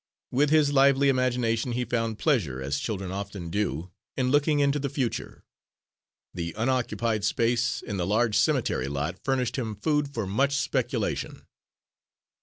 With his lively imagination he found pleasure, as children often do, in looking into the future. The unoccupied space in the large cemetery lot furnished him food for much speculation.